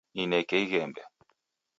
Nineke ighembe